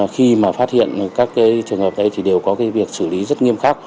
khi mà phát hiện các trường hợp đấy thì đều có cái việc xử lý rất nghiêm khắc